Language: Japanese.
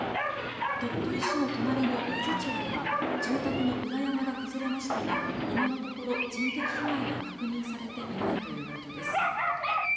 鳥取市の隣の八頭町では住宅の裏山が崩れましたが今のところ人的被害は確認されていないということです。